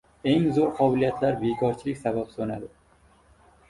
Eng zo‘r qobiliyatlar bekorchilik sabab so‘nadi.